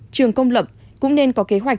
trường công lập cũng nên có kế hoạch